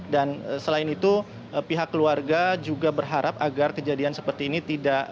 dan selain itu pihak keluarga juga berharap agar kejadian seperti ini tidak